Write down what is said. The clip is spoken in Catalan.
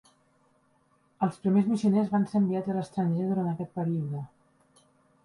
Els primers missioners van ser enviats a l"estranger durant aquest període.